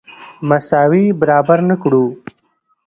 مساوي برابر نه کړو.